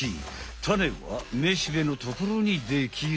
タネはめしべのところにできる。